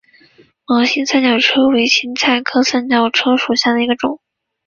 毛蕊三角车为堇菜科三角车属下的一个种。